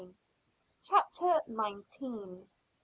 CHAPTER NINETEEN.